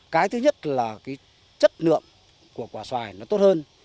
cái thứ nhất là cái chất lượng của quả xoài nó tốt hơn